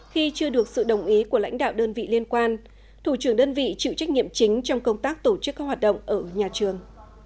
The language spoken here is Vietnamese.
khi chưa được sự đồng ý của lãnh đạo đơn vị liên quan thủ trưởng đơn vị chịu trách nhiệm chính trong công tác tổ chức các hoạt động ở nhà trường